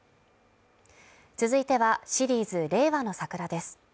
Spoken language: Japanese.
続いては、シリーズ「令和のサクラ」です。